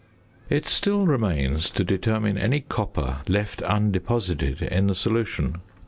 It still remains to determine any copper left undeposited in the solution.